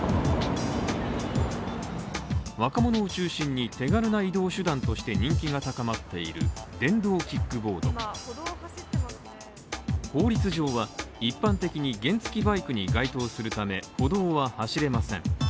若者を中心に手軽な移動手段として人気が高まっている電動キックボード法律上は、一般的に原付バイクに該当するため、歩道は走れません。